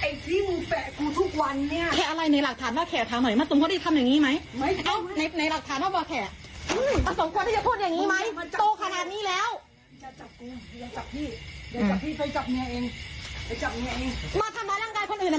ไอ้ที่มูแปะกูทุกวันเนี้ยแค่อะไรในหลักฐานว่าแค่ทำหน่อย